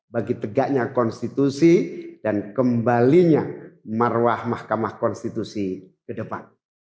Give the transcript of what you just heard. bagi tegaknya konstitusi dan kembalinya marwah mahkamah konstitusi ke depan